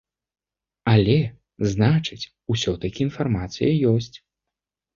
Але, значыць, усё-ткі інфармацыя ёсць.